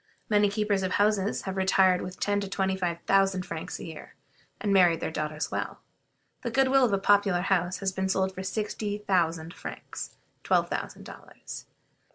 Many keepers of houses have retired with from ten to twenty five thousand francs a year, and have married their daughters well. The good will of a popular house has been sold for sixty thousand francs (twelve thousand dollars).